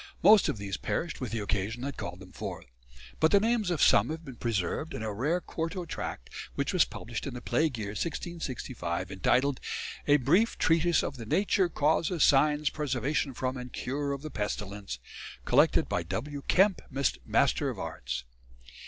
Most of these perished with the occasion that called them forth; but the names of some have been preserved in a rare quarto tract which was published in the Plague year, 1665, entitled "A Brief Treatise of the Nature, Causes, Signes, Preservation from and Cure of the Pestilence," "collected by W. Kemp, Mr. of Arts."